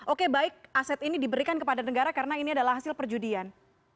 oke baik aset ini diberikan kepada negara karena ini adalah hasil perjudian